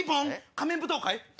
『仮面舞踏会』。